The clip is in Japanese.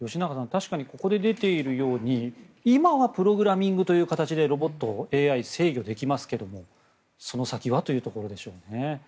確かにここで出ているように今はプログラミングという形でロボット、ＡＩ制御できますけどその先はというところでしょうね。